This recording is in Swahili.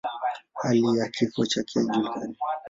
Hali ya kifo chake haijulikani.